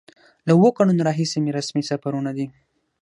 له اوو کلونو راهیسې مې رسمي سفرونه دي.